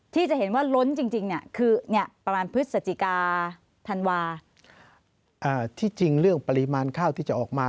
ที่จะเห็นว่าล้นจริงคือประมาณพฤศจิกาธันวาที่จริงเรื่องปริมาณข้าวที่จะออกมา